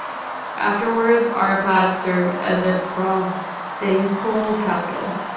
Afterward Arpad served as a provincial capital.